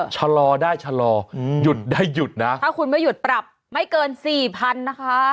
ชะลอได้ชะลอหยุดได้หยุดนะถ้าคุณไม่หยุดปรับไม่เกินสี่พันนะคะ